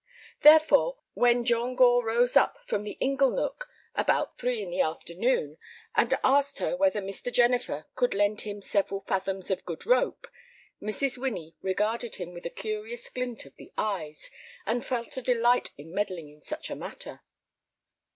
Therefore, when John Gore rose up from the ingle nook about three in the afternoon, and asked her whether Mr. Jennifer could lend him several fathoms of good rope, Mrs. Winnie regarded him with a curious glint of the eyes, and felt a delight in meddling in such a matter.